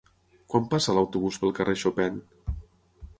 Quan passa l'autobús pel carrer Chopin?